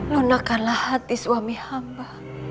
lunakanlah hati suami hamba